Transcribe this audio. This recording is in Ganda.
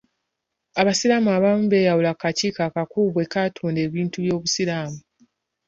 Abasiraamu abamu beyawula ku kakiiko akakulu bwe katunda ebintu by'obusiraamu.